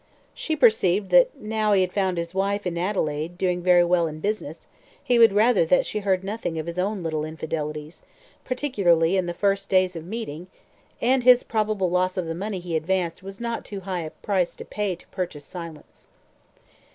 She perceived that now he had found his wife in Adelaide, doing very well in business, he would rather that she heard nothing of his own little infidelities, particularly in the first days of meeting, and his probable loss of the money he advanced was not too high a price to pay to purchase silence.